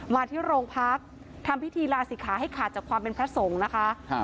มาที่โรงพักทำพิธีลาศิกขาให้ขาดจากความเป็นพระสงฆ์นะคะ